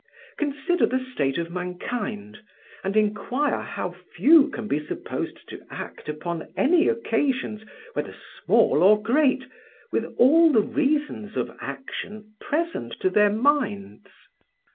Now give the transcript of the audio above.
Consider the state of mankind, and inquire how few can be supposed to act upon any occasions, whether small or great, with all the reasons of action present to their minds.